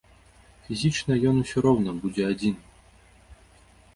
Фізічна ён усё роўна будзе адзін!